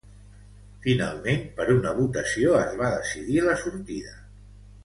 Finalment per una votació es va decidir la sortida.